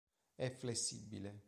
È flessibile.